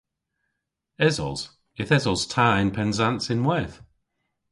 Esos. Yth esos ta yn Pennsans ynwedh.